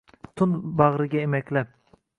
Tun bag’riga emaklab